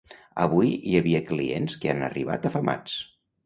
Avui hi havia clients que han arribat afamats.